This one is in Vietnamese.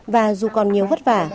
và dù còn nhiều vất vả